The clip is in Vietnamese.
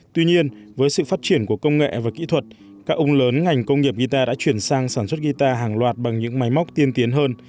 tuy nhiên với sự phát triển của công nghệ và kỹ thuật các ông lớn ngành công nghiệp guitar đã chuyển sang sản xuất guitar hàng loạt bằng những máy móc tiên tiến hơn